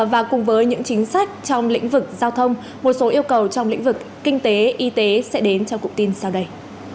và cùng với những chính sách trong lĩnh vực giao thông một số yêu cầu trong lĩnh vực kinh tế y tế sẽ đến trong cụm tin sau đây